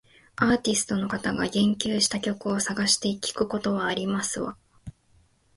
アーティストの方が言及した曲を探して聞くことはありますわ